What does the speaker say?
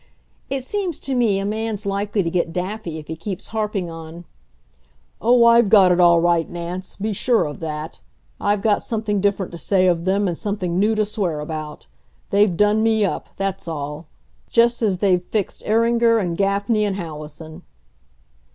It seems to me a man's likely to get daffy if he keeps harping on " "Oh, I've got it all right, Nance, be sure of that! I've got something different to say of them and something new to swear about. They've done me up; that's all. Just as they've fixed Iringer and Gaffney and Howison."